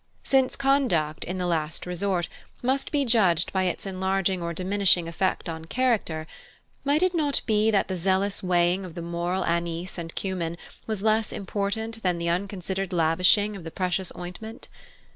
Since conduct, in the last resort, must be judged by its enlarging or diminishing effect on character, might it not be that the zealous weighing of the moral anise and cummin was less important than the unconsidered lavishing of the precious ointment?